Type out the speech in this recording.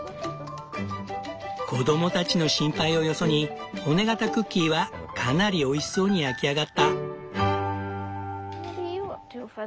子供たちの心配をよそに骨型クッキーはかなりおいしそうに焼き上がった。